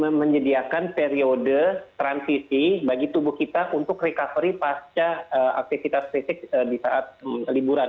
jadi kita menyediakan periode transisi bagi tubuh kita untuk recovery pasca aktivitas fisik di saat liburan